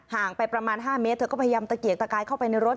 งไปประมาณ๕เมตรเธอก็พยายามตะเกียกตะกายเข้าไปในรถ